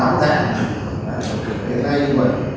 hiện nay nhưng mà